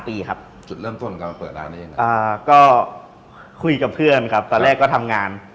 ตีครับจุดเริ่มต้นของการมาเปิดร้านได้ยังไงอ่าก็คุยกับเพื่อนครับตอนแรกก็ทำงาน